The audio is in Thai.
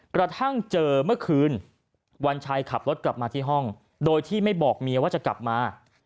กระทั่งเจอเมื่อคืนวันชัยขับรถกลับมาที่ห้องโดยที่ไม่บอกเมียว่าจะกลับมา